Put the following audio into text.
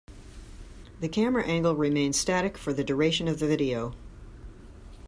The camera angle remains static for the duration of the video.